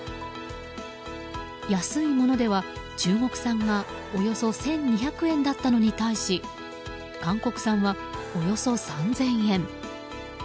安いものでは、中国産がおよそ１２００円だったのに対し韓国産はおよそ３０００円。